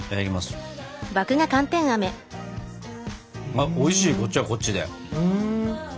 あおいしいこっちはこっちで。